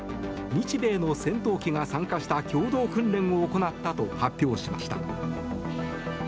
日米の戦闘機が参加した共同訓練を行ったと発表しました。